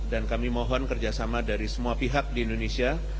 dan kami mohon kerjasama dari semua pihak di indonesia